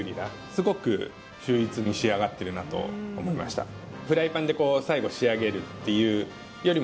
すごく秀逸に仕上がってるなと思いましただから